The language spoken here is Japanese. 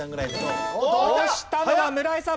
押したのは村井さん。